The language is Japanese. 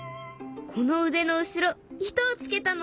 この腕の後ろ糸を付けたの。